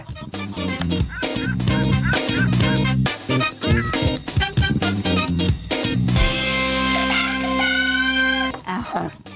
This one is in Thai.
ต้องท่าน